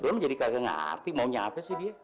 lu mah jadi kagak ngerti mau nyaves sih dia